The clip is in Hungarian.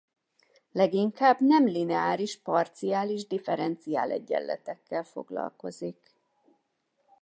Leginkább nemlineáris parciális differenciálegyenletekkel foglalkozik.